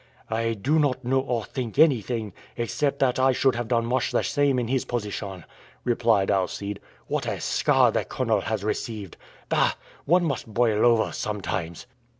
"I do not know or think anything except that I should have done much the same in his position," replied Alcide. "What a scar the Colonel has received! Bah! one must boil over sometimes.